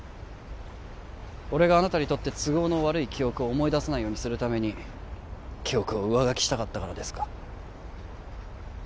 俺があなたにとって都合の悪い記憶を思い出さないようにするために記憶を上書きしたかったからですか？